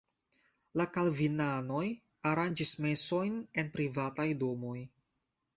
La kalvinanoj aranĝis mesojn en privataj domoj.